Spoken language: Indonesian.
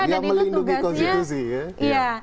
dia melindungi konstitusi ya